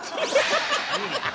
ハハハハ！